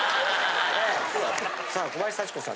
さあ小林幸子さん